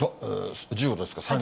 １５度ですから。